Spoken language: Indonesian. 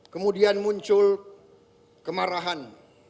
kemudian muncul kemarahan